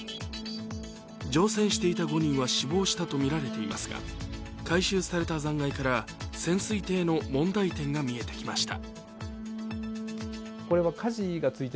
乗船していた５人は死亡したとみられていますが回収された残骸から潜水艇の問題点が見えてきました。